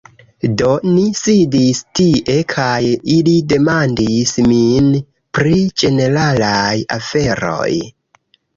Do, ni sidis tie kaj ili demandis min pri ĝeneralaj aferoj